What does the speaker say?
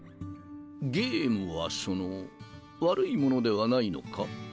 ゲームはその悪いものではないのか？